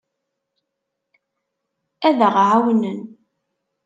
Ad aɣ-ɛawnen.